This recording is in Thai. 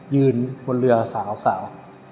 ยืนบนเรือสาว